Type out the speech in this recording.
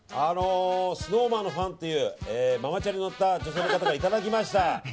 ＳｎｏｗＭａｎのファンっていうママチャリ乗った女性の方からいただきました。